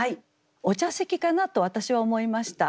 お茶席かなと私は思いました。